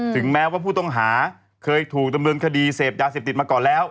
ถึงแม้ว่าผู้ต้องหาเคยถูกดำเนินคดีเสพยาเสพติดมาก่อนแล้ว